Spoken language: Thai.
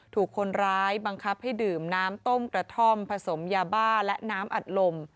ถูกคนร้ายบังคับให้ดื่มน้ำต้มกระท่อมผสมยาบ้าและน้ำอัดลม